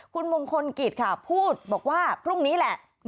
คุณมงคลกิจค่ะพูดบอกว่าพรุ่งนี้แหละ